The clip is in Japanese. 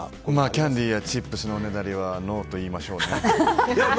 キャンディーやチップスのおねだりはノーと言いましょうね。